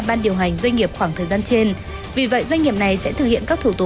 ban điều hành doanh nghiệp khoảng thời gian trên vì vậy doanh nghiệp này sẽ thực hiện các thủ tục